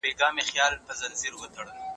که سرچینې سمې وکارول سي هېواد به پرمختګ وکړي.